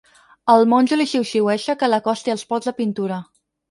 El monjo li xiuxiueja que l'acosti als pots de pintura.